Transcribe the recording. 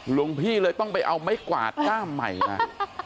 หลวงพี่เลยต้องไปเอาไม้กวาดหน้าใหม่มา